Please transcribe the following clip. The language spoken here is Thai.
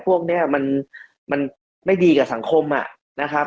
พวกนี้มันไม่ดีกับสังคมนะครับ